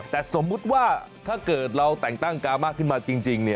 แต่สมมุติว่าถ้าเกิดเราแต่งตั้งกามะขึ้นมาจริง